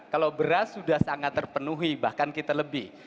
kalau beras sudah sangat terpenuhi bahkan kita lebih